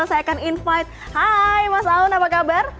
saya akan invite hai mas aun apa kabar